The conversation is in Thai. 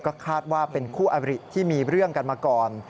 ก็คาดว่าเป็นคู่อบริที่มีเรื่องกันมาก่อน